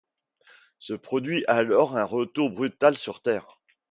Se produit alors un retour brutal sur Terre.